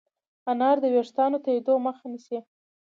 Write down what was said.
انار د ويښتانو تویدو مخه نیسي.